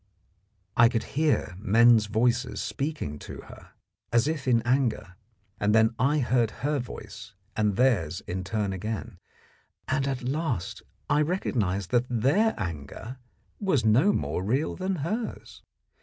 _ I could hear men's voices speaking to her as if in anger, and then I heard her voice and theirs in turn again, and at last I recognised that their anger was no more real than hers.